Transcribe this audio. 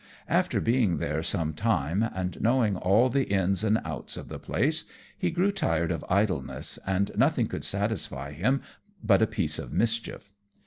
After being there some time, and knowing all the in's and out's of the place, he grew tired of idleness, and nothing could satisfy him but a piece of mischief.